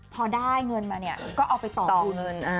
พอได้เงินมาเนี่ยก็เอาไปต่อคิวเงิน